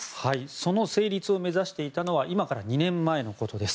その成立を目指していたのは今から２年前のことです。